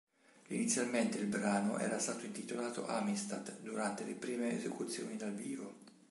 Inizialmente il brano era stato intitolato "Amistad" durante le prime esecuzioni dal vivo.